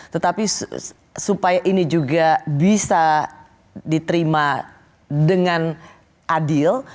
tetapi supaya ini juga bisa diterima dengan adil